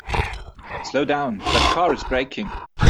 Slow down, that car is braking!